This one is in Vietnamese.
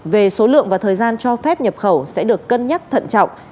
về số lượng và thời gian cho phép nhập khẩu sẽ được cân nhắc thận trọng